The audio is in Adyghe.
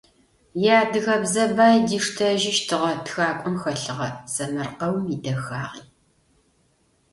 Иадыгабзэ бай диштэжьыщтыгъэ тхакӏом хэлъыгъэ сэмэркъэум идэхагъи.